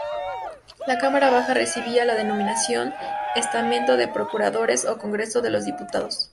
La cámara baja recibía la denominación Estamento de Procuradores o Congreso de los Diputados.